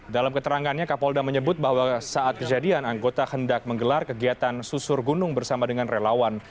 dalam keterangannya kapolda menyebut bahwa saat kejadian anggota hendak menggelar kegiatan susur gunung bersama dengan relawan